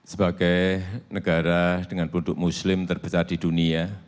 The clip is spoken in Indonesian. sebagai negara dengan produk muslim terbesar di dunia